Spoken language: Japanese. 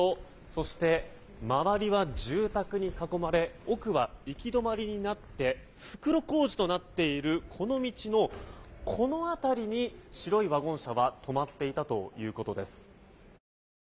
そして、周りは住宅に囲まれ奥は行き止まりになって袋小路となっているこの道のこの辺りに白いワゴン車は止まっていたということです。